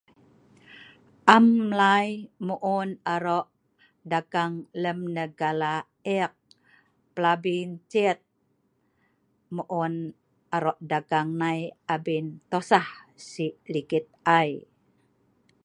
am mlai mu'un arok dagang lem negala ek pelabi n'cet mu'un arok dagang nai abin tosah sik ligit ai